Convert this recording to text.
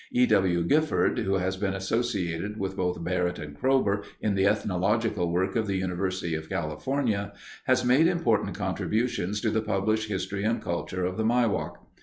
E. W. Gifford, who has been associated with both Barrett and Kroeber in the ethnological work of the University of California, has made important contributions to the published history and culture of the Miwok.